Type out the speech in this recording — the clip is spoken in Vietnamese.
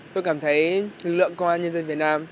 tôi cảm thấy lực lượng công an nhân dân việt nam